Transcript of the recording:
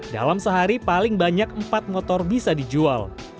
dalam sehari paling banyak empat motor bisa dijual